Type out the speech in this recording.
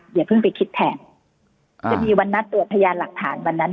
อย่าเพิ่งไปคิดแทนจะมีวันนัดตรวจพยานหลักฐานวันนั้น